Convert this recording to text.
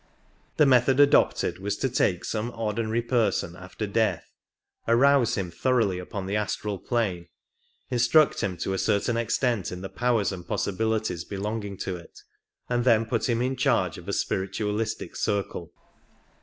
The method adopted was to take some ordinary person after death, arouse him thoroughly upon the astral plane, instruct him to a certain extent in the powers and possibilities belonging to it, and then put him in charge of a spiritualistic circle.